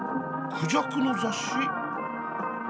クジャクの雑誌？